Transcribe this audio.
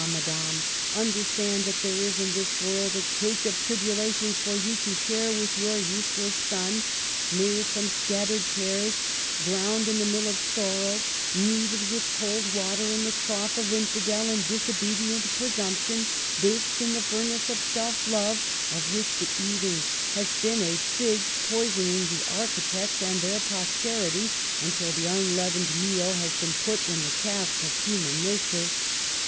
madame, understand that there is in this world a cake of tribulations for you to share with your useless son, made from scattered tares, ground in the mill of sorrow, kneaded with cold water in the trough of infidel and disobedient presumption, baked in the furnace of self love, of which the eating has been a fig poisoning the architects and their posterity, until the unleavened meal has been put in the cask of human nature."